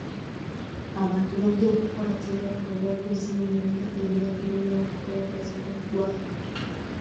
Abantu bajja kukwatibwa olwo'kuziimuula biragiro by'omukulembeze we ggwanga.